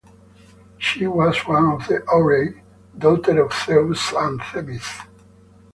She was one of the Horae, daughter of Zeus and Themis.